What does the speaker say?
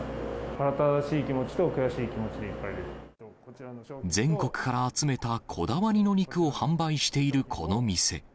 腹立たしい気持ちと、悔しい気持全国から集めたこだわりの肉を販売しているこの店。